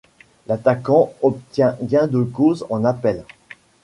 L'attaquant obtient gain de cause en Appel.